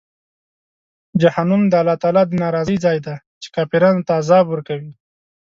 جهنم د الله تعالی د ناراضۍ ځای دی، چې کافرانو ته عذاب ورکوي.